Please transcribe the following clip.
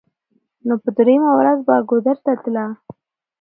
نو په درېمه ورځ به ګودر ته تله.